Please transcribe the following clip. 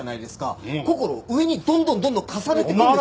こころ上にどんどんどんどん重ねてくんですよ。